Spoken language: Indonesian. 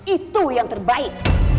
itu yang terbaik